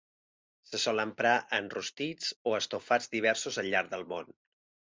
Se sol emprar en rostits o estofats diversos al llarg del món.